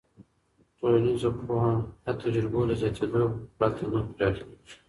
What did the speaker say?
ټولنیز پوهه د تجربو له زیاتېدو پرته نه پراخېږي.